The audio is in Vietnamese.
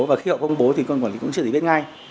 và khi họ công bố thì cơ quan quản lý cũng chỉ biết ngay